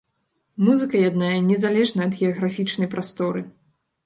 Музыка яднае незалежна ад геаграфічнай прасторы.